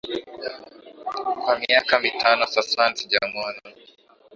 Kwa miaka mitano sasan sijamwona